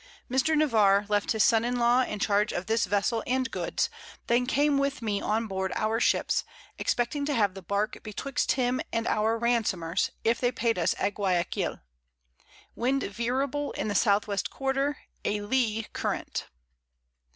Mr. Navarre left his Son in law in charge of this Vessel and Goods, then came with me on board our Ships, expecting to have the Bark betwixt him and our Ransomers, if they paid us at Guiaquil. Wind veerable in the South West Quarter, a Lee Current.